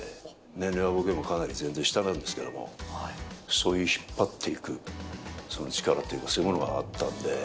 年齢は僕よりもかなり全然下なんですけども、そういう引っ張っていく力というか、そういうものがあったんで。